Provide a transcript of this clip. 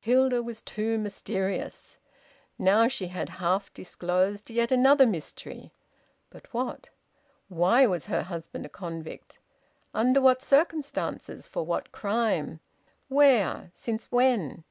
Hilda was too mysterious. Now she had half disclosed yet another mystery. But what? "Why was her husband a convict? Under what circumstances? For what crime? Where? Since when?"